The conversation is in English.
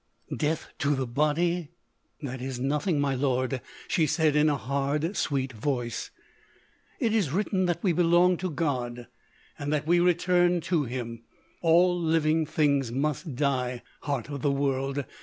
"Death to the body? That is nothing, my lord!" she said, in a hard, sweet voice. "It is written that we belong to God and that we return to Him. All living things must die, Heart of the World!